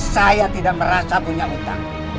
saya tidak merasa punya utang